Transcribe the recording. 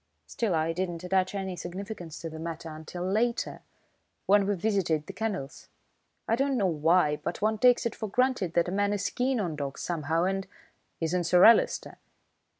Still, I didn't attach any significance to the matter until later, when we visited the kennels. I don't know why, but one takes it for granted that a man is keen on dogs somehow and " "Isn't Sir Alister?"